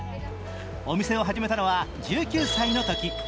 お店を始めたのは１９歳のとき。